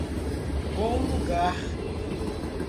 Bom Lugar